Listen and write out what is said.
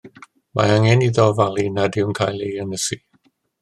Mae angen iddo ofalu nad yw'n cael ei ynysu.